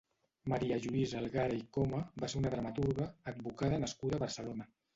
Maria Lluïsa Algarra i Coma va ser una dramaturga, advocada nascuda a Barcelona.